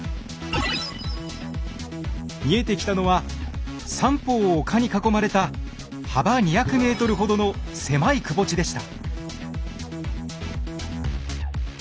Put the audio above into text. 見えてきたのは三方を丘に囲まれた幅２００ｍほどの狭いくぼ地でした。